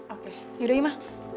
oke yudah ya ma